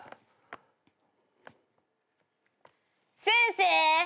先生！